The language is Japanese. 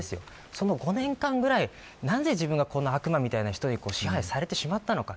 その５年間ぐらい、なぜ自分がこんな悪魔みたいな人に支配されてしまったのか。